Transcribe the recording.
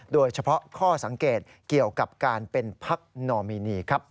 โดยเฉพาะข้อสังเกตเกี่ยวกับการเป็นพักนอมินีครับ